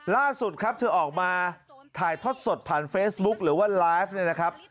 ล่าสุดครับเธอออกมาถ่ายทอดสดผ่านเฟซบุ๊คหรือว่าไลฟ์เนี่ยนะครับ